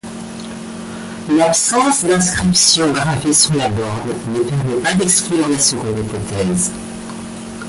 L'absence d'inscription gravée sur la borne ne permet pas d'exclure la seconde hypothèse.